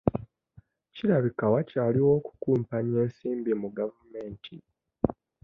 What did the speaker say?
Kirabika wakyaliwo okukumpanya ensimbi mu gavumenti.